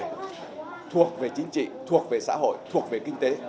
các vấn đề thuộc về chính trị thuộc về xã hội thuộc về kinh tế